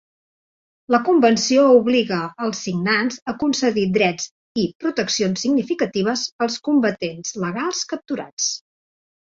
La convenció obliga els signants a concedir drets i proteccions significatives als combatents legals capturats.